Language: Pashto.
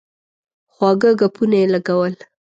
خواږه ګپونه یې لګول.